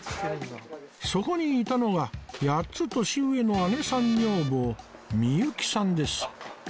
そこにいたのが８つ年上の姉さん女房みゆきさんです